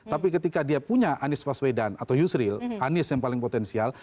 tapi ketika dia punya anies baswedan atau yusril anies yang paling potensial